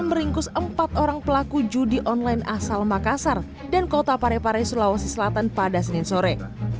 meringkus empat orang pelaku judi online asal makassar dan kota parepare sulawesi selatan pada senin sore